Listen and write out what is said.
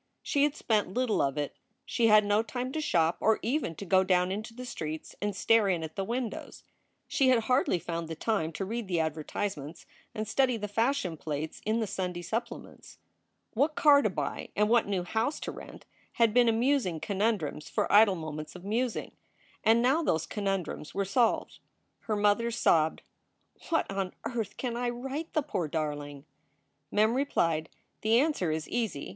She had spent little of it. She had no time to shop or even to go down into the streets and stare in at the windows. She had hardly found the time to read the advertisements and study the fashion plates in the Sunday supplements. What car to buy and what new house to rent had been amusing conundrums for idle moments of musing. And now those conundrums were solved. Her mother sobbed: "What on earth can I write the poor darling?" Mem replied: "The answer is easy.